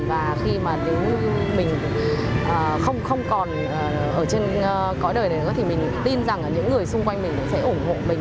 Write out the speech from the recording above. và khi mà nếu mình không còn ở trên cõi đời này nữa thì mình tin rằng những người xung quanh mình sẽ ủng hộ mình